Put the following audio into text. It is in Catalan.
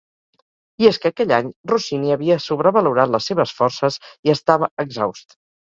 I és que aquell any Rossini havia sobrevalorat les seves forces i estava exhaust.